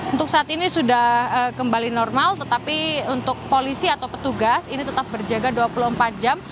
untuk saat ini sudah kembali normal tetapi untuk polisi atau petugas ini tetap berjaga dua puluh empat jam